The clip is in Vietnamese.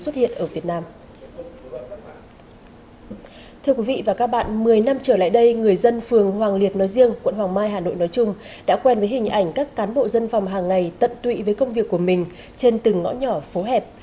thưa quý vị và các bạn một mươi năm trở lại đây người dân phường hoàng liệt nói riêng quận hoàng mai hà nội nói chung đã quen với hình ảnh các cán bộ dân phòng hàng ngày tận tụy với công việc của mình trên từng ngõ nhỏ phố hẹp